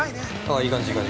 ◆いい感じいい感じ。